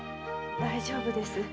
大丈夫です。